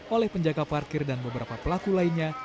oleh penjaga parkir dan beberapa pelaku lainnya